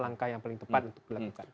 langkah yang paling tepat untuk dilakukan